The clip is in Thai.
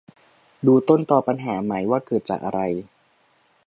ดูต้นตอปัญหาไหม ว่าเกิดจากอะไร